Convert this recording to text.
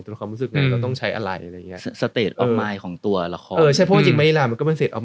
ตัวละครรู้สึกยังไงต้องใช้อะไรอะไรอย่างเงี้ยของตัวละครเออใช่เพราะว่าจริง